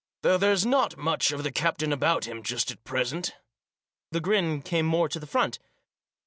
Though there's not much of the captain about him just at present" The grin came more to the front.